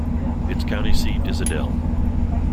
Its county seat is Adel.